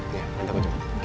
iya nanti aku jemput